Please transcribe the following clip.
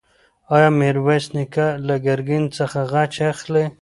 ایا میرویس نیکه له ګرګین څخه غچ اخلي؟